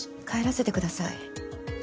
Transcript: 帰らせてください。